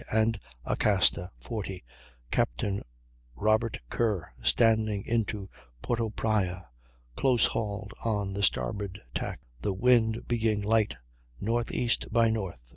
B., and Acasta, 40, Captain Robert Kerr, standing into Porto Praya, close hauled on the starboard tack, the wind being light northeast by north.